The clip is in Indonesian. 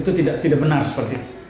itu tidak benar seperti itu